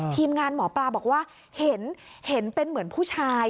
ทีมงานหมอปลาบอกว่าเห็นเป็นเหมือนผู้ชาย